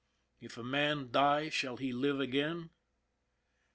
" If a man die, shall he live again?